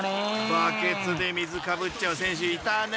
［バケツで水かぶっちゃう選手いたね。